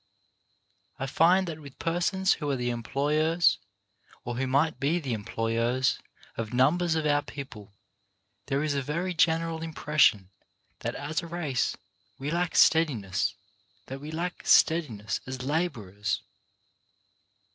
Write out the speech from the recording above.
I find that with persons who are the employers or who might be the employers of numbers of our people, there is a very general impression that as a race we lack steadiness — that we lack steadiness as labourers.